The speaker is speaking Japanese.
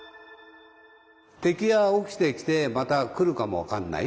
敵が起きてきてまた来るかも分かんない。